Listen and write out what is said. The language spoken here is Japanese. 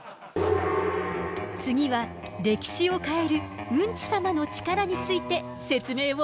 次は歴史を変えるウンチ様の力について説明をお願い。